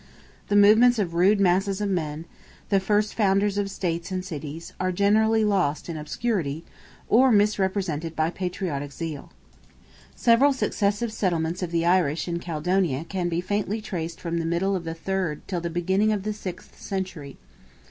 The movements of rude masses of men, the first founders of states and cities, are generally lost in obscurity, or misrepresented by patriotic zeal. Several successive settlements of the Irish in Caledonia can be faintly traced from the middle of the third till the beginning of the sixth century.